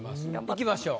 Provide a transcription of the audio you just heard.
いきましょう。